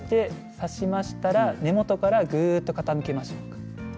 挿しましたら根元から傾けましょう。